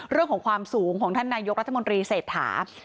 เรื่องของความสูงของท่านนายกรัฐมนตรีเศรษฐา